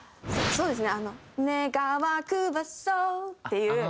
そうですね。